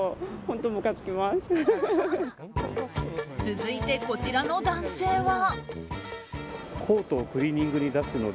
続いて、こちらの男性は。